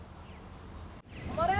止まれ！